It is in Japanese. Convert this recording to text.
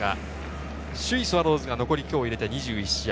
首位・スワローズが残り今日入れて２１試合。